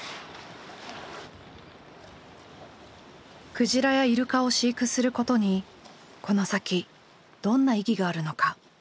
クジラやイルカを飼育することにこの先どんな意義があるのか。